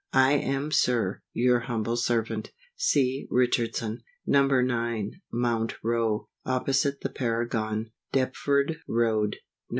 I am Sir, Your humble servant, C. RICHARDSON. No. 9, Mount Row, opposite the Paragon, Deptford Road, Nov.